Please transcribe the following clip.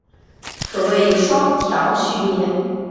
所谓双调序列。